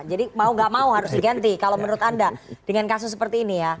jadi mau enggak mau harus diganti kalau menurut anda dengan kasus seperti ini ya